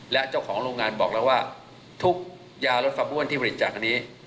และเจ้าของโรงงานบอกแล้วว่าทุกยารถฟาร์บ้วนที่บริจาคอันนี้